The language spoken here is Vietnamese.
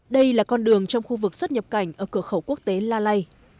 đây là con đường trong khu vực xuất nhập cảnh ở cửa khẩu quốc tế lalay